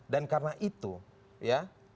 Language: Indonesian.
dan karena itu ya